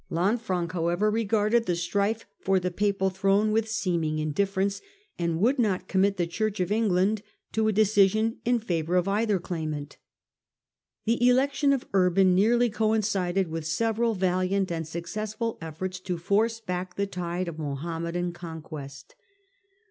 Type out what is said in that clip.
Lanfranc, however, regarded the strife for the papal throne with seeming indiflFerence, and would not commit the Church of England to a decision in favour of either claimant. The election of Urban nearly coincided with several valiant and successful efforts to force back the tide of Mohammedan conquest.